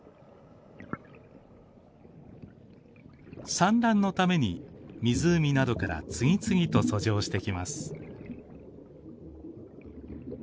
産卵のために湖などから次々と遡上してきます。